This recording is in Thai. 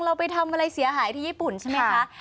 เราไปทำอะไรเสียหายที่ญี่ปุ่นใช่ไหมคะ